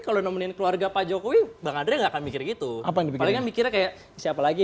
kalau nemenin keluarga pak jokowi bang andre nggak akan mikir gitu paling kan mikirnya kayak siapa lagi